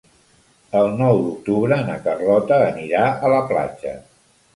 El nou d'octubre na Carlota anirà a la platja.